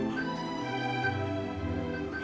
dia sudah berakhir